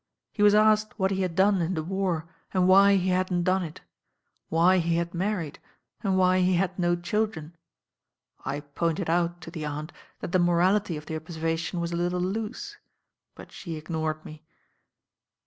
He was asked what he had done in the war, and why he hadn't done it. Why he had married, and why he had no children. I pointed out to the Aunt that the niorality of the observation was a little loose; but she ignored me.